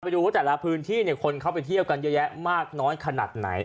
ดูว่าแต่ละพื้นที่คนเข้าไปเที่ยวกันเยอะแยะมากน้อยขนาดไหน